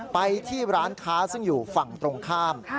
ไปที่ร้านค้าซึ่งอยู่ฝั่งตรงข้าม